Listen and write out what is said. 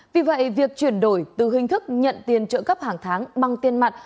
vì vậy việc chuyển đổi từ hình thức nhận tiền trợ cấp hàng tháng bằng tiền mặt